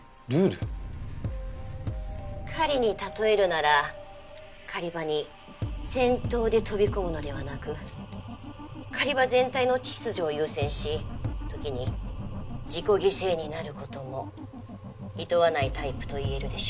狩りに例えるなら狩り場に先頭で飛び込むのではなく狩り場全体の秩序を優先し時に自己犠牲になる事も厭わないタイプと言えるでしょう。